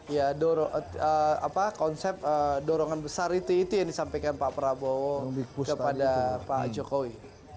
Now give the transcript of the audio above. ya konsep dorongan besar itu itu yang disampaikan pak prabowo kepada pak jokowi